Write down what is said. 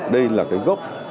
đây là gốc